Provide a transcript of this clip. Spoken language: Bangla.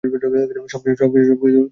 সবকিছুই তাড়াতাড়ি শেষ হয়ে যাবে।